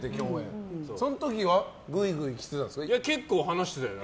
その時はグイグイ来てたんですか？